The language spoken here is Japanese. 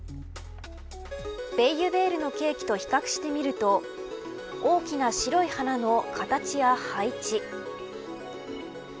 ベイユヴェールのケーキと比較してみると大きな白い花の形や配置。